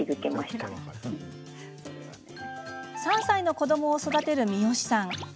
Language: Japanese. ３歳の子どもを育てる三好さん。